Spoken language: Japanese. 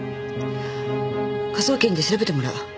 科捜研で調べてもらう。